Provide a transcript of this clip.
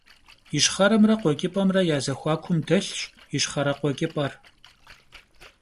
Yişxheremre khueç'ıp'emre ya zexuakum delhş yişxhere - khueç'ıp'er.